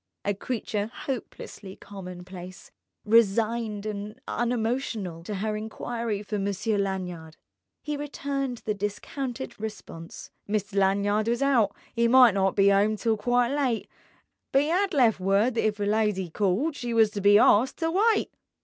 A creature hopelessly commonplace, resigned, and unemotional, to her enquiry for Monsieur Lanyard he returned the discounted response: Mister Lanyard was hout, 'e might not be 'ome till quite lite, but 'ad left word that if a lidy called she was to be awsked to wite.